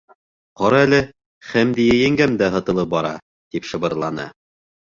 Ҡара әле Хәмдиә еңгәм дә һытылып бара, — тип шыбырланы.